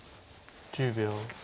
１０秒。